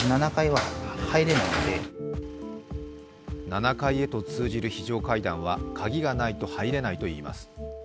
７階へと通じる非常階段は鍵がないと入れないといいます。